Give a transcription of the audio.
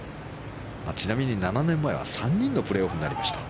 ちなみに７年前は３人のプレーオフになりました。